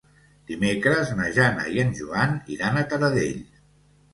Dimecres na Jana i en Joan iran a Taradell.